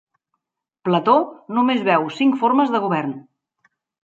Plató només veu cinc formes de govern.